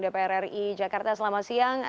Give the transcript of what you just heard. dpr ri jakarta selamat siang